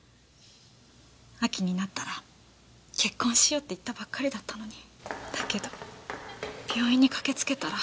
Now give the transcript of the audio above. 秋になったら結婚しようって言ったばっかりだったのにだけど病院に駆けつけたら。